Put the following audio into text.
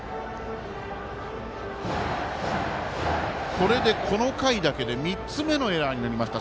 これで、この回だけで３つ目のエラーになりました。